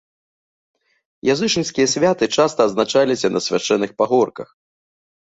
Язычніцкія святы часта адзначаліся на свяшчэнных пагорках.